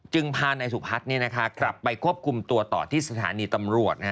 พานายสุพัฒน์กลับไปควบคุมตัวต่อที่สถานีตำรวจ